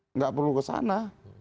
enggak perlu kesana